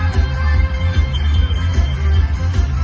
สวัสดีครับ